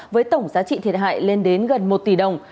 với tổng giá trị thiệt hại lên đến gần một tỷ đồng